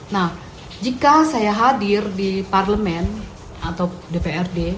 nah jika saya hadir di parlemen atau dprd